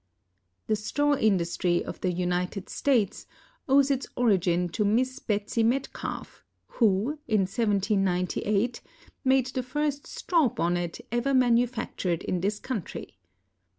The straw industry of the United States owes its origin to Miss Betsy Metcalf, who, in 1798, made the first straw bonnet* ever manufactured in this country.